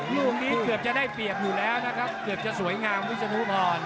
ลูกนี้เกือบจะได้เปรียบอยู่แล้วนะครับเกือบจะสวยงามวิศนุพร